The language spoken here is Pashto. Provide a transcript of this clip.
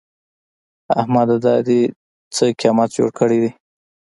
احمده! دا دې څه قيامت جوړ کړی دی؟